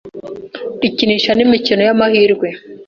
ikinisha imikino y’amahirwe